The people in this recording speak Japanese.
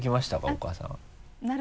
お母さん。